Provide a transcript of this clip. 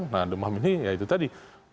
nah demam ini ya itu tadi